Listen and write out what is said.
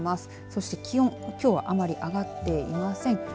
そして気温きょうはあまり上がっていません。